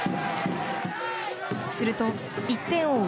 すると１点を追う